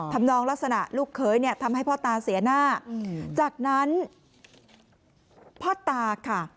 นองลักษณะลูกเขยเนี่ยทำให้พ่อตาเสียหน้าจากนั้นพ่อตาค่ะ